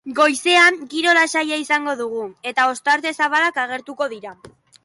Goizean, giro lasaia izango dugu, eta ostarte zabalak agertuko dira.